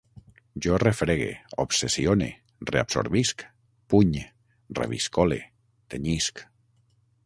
Jo refregue, obsessione, reabsorbisc, puny, reviscole, tenyisc